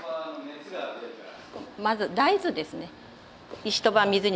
まず大豆ですね。